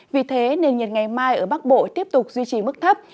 vì thế nền nhiệt ngày mai ở bắc bộ tiếp tục duy trì mức thấp